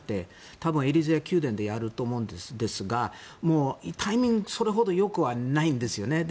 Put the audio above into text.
多分エリゼ宮殿でやると思うんですがタイミング、それほどよくはないんですよね。